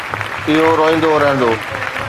اهو روئندو رهندو.